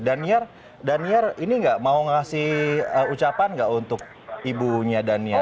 dan niar niar ini nggak mau ngasih ucapan nggak untuk ibunya dan niar